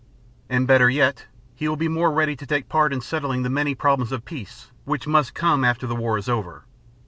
And better yet, he will be more ready to take part in settling the many problems of peace which must come after the war is over.